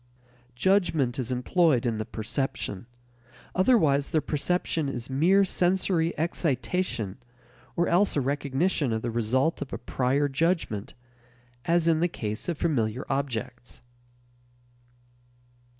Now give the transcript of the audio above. Judgment is employed in the perception; otherwise the perception is mere sensory excitation or else a recognition of the result of a prior judgment, as in the case of familiar objects.